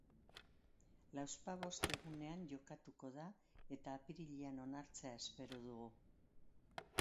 Lauzpabost egunean jokatuko da, eta apirilean onartzea espero dugu.